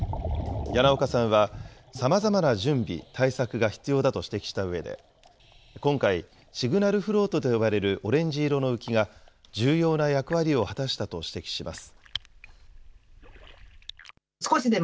柳岡さんはさまざまな準備、対策が必要だと指摘したうえで、今回、シグナルフロートと呼ばれるオレンジ色の浮きが重要な役割を果たしたと指摘します。